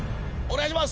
お願い！